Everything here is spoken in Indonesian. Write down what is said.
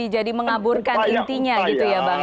jadi mengaburkan intinya gitu ya bang ya